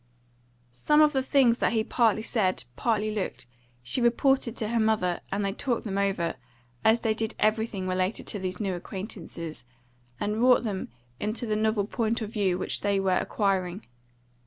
Some of the things that he partly said, partly looked, she reported to her mother, and they talked them over, as they did everything relating to these new acquaintances, and wrought them into the novel point of view which they were acquiring.